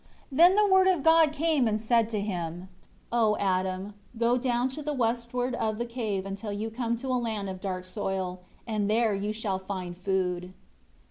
7 Then the Word of God came and said to him, "O Adam, go down to the westward of the cave until you come to a land of dark soil, and there you shall find food."